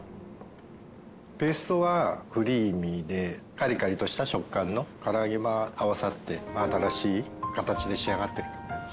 ペーストはクリーミーでカリカリとした食感のから揚げが合わさって新しい形で仕上がってると思います。